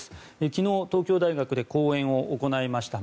昨日、東京大学で講演を行いました